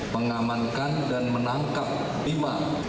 mengamankan dan menangkap teroris tersebut